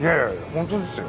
本当ですよ。